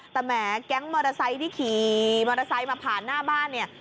แต่แหมแก๊งมอเตอร์ไซค์ที่ขี่มอเตอร์ไซค์มาผ่านหน้าบ้านเนี่ย